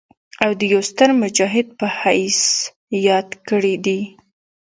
او يو ستر مجاهد پۀ حييث ياد کړي دي